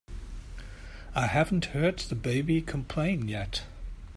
I haven't heard the baby complain yet.